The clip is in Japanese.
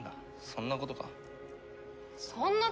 そんなことって。